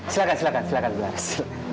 silahkan silahkan silahkan mula ras